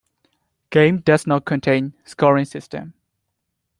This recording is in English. Game does not contain scoring system.